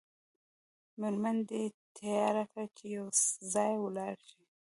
میرمن دې تیاره کړه چې یو ځای ولاړ شئ.